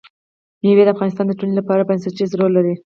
مېوې د افغانستان د ټولنې لپاره بنسټيز رول لري.